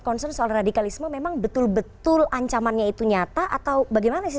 concern soal radikalisme memang betul betul ancamannya itu nyata atau bagaimana sih